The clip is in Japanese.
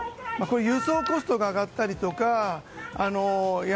輸送コストが上がったりとか